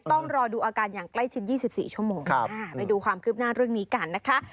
ต้องรอดูอาการอย่างใกล้ชิด๒๔ชั่วโมงไปดูความคืบหน้าเรื่องนี้กันนะคะ